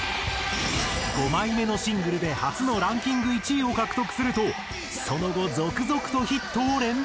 ５枚目のシングルで初のランキング１位を獲得するとその後続々とヒットを連発。